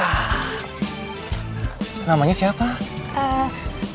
buat demands itu sasaran apa gitu